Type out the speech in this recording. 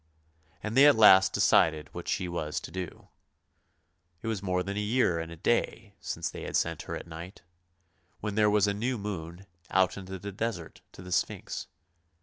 And they at last decided what she was to do. It was more than a year and a day since they had sent her at night, when there was a new moon, out into the desert to the Sphinx.